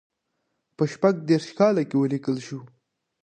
په شپږ دېرش کال کې ولیکل شو.